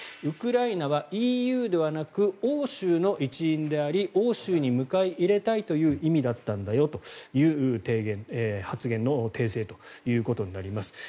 ウクライナはＥＵではなく欧州の一員であり欧州に迎え入れたいという意味だったんだよという発言の訂正となります。